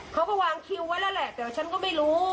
เขาก็วางคิวไว้แล้วแหละแต่ฉันก็ไม่รู้